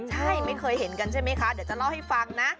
ใช่ไม่เคยเห็นกันใช่ไหมคะเดี๋ยวจะเล่าให้ฟังนะ